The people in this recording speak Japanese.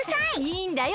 いいんだよ